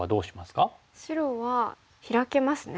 白はヒラけますね。